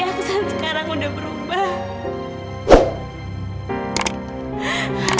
aksan aku lupa nih orangnya sebelah sana